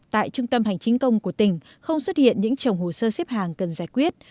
tại trung tâm hành chính công của tỉnh không xuất hiện những trồng hồ sơ xếp hàng cần giải quyết